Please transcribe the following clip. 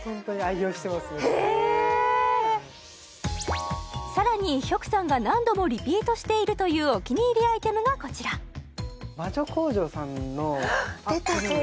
僕さらにヒョクさんが何度もリピートしているというお気に入りアイテムがこちら魔女工場さんの出たそれ！